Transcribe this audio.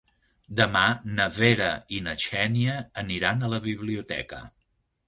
Demà na Vera i na Xènia aniran a la biblioteca.